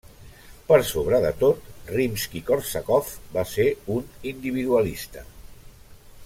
Per sobre de tot, Rimski-Kórsakov va ser un individualista.